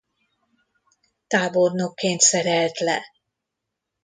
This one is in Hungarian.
Tábornokként szerelt le.